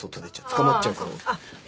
捕まっちゃうから俺。